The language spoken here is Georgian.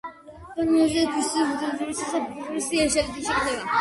ბერძენთა თავისუფლებას უდიდესი საფრთხე შექმნა.